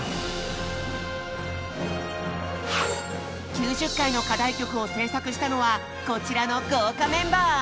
９０回の課題曲を制作したのはこちらの豪華メンバー。